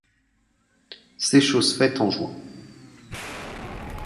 C'est chose faite en juin.